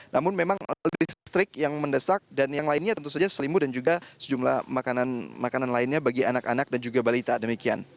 namun memang listrik yang mendesak dan yang lainnya tentu saja selimut dan juga sejumlah makanan lainnya bagi anak anak dan juga balita demikian